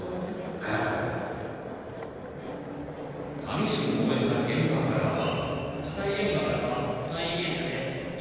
激しく燃えた現場からは。